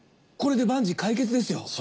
これで万事解決ですよ。